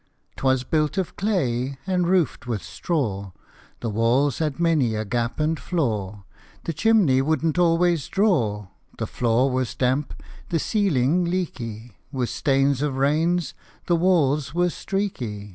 T was built of clay and roofed with straw ; The walls had many a gap and flaw; The chimney wouldn't always draw; The floor was damp, the ceiling leaky ; With stains of rains the walls were streaky.